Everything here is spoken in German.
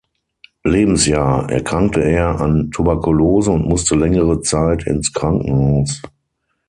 Lebensjahr, erkrankte er an Tuberkulose und musste längere Zeit ins Krankenhaus.